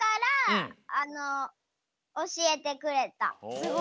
すごい。